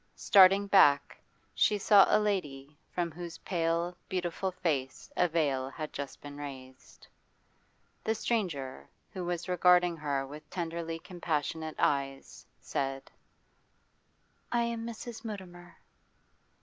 Starting back, she saw a lady from whose pale, beautiful face a veil had just been raised. The stranger, who was regarding her with tenderly compassionate eyes, said: 'I am Mrs. Mutimer.